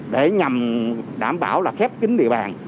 để nhằm đảm bảo là khép kính địa bàn